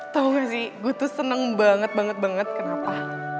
tau gak sih gue tuh seneng banget banget banget kenapa